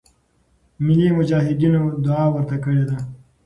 ملی مجاهدینو دعا ورته کړې ده.